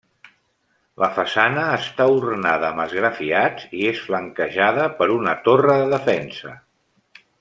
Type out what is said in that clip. La façana està ornada amb esgrafiats i és flanquejada per una torre de defensa.